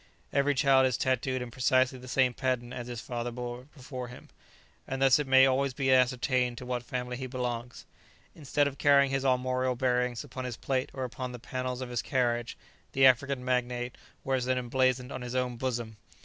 Every child is tattooed in precisely the same pattern as his father before him, and thus it may always be ascertained to what family he belongs. Instead of carrying his armorial bearings upon his plate or upon the panels of his carriage, the African magnate wears them emblazoned on his own bosom!